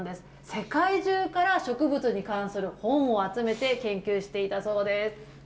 世界中から植物に関する本を集めて研究していたそうです。